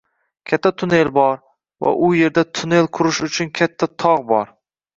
Katta tunnel bor va u yerda tunnel qurish uchun katta tog‘ bor.